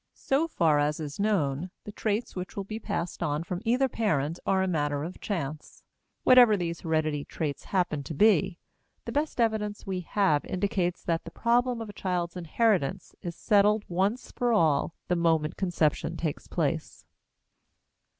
So far as is known, the traits which will be passed on from either parent are a matter of chance. Whatever these hereditary traits happen to be, the best evidence we have indicates that the problem of a child's inheritance is settled once for all the moment conception takes place.